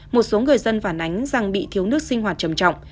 một số người dân phản ánh rằng bị thiếu nước sinh hoạt trầm trọng